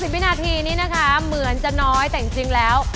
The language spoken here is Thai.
วินาทีนี้นะคะเหมือนจะน้อยแต่จริงแล้ว